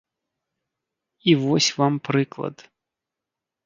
І вось вам прыклад.